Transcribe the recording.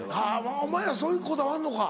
お前らそういうこだわんのか。